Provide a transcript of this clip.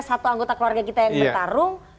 satu anggota keluarga kita yang bertarung